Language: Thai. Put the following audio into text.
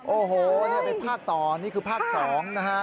โอ้โหนี่ไปภาคต่อนี่คือภาค๒นะฮะ